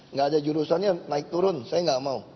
nggak ada jurusannya naik turun saya nggak mau